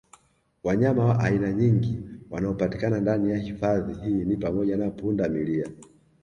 Wanyama wa aina nyingi wanaopatikana ndani ya hifadhi hii ni pamoja na punda milia